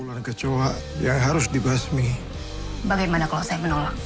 bagaimana kalau saya menolak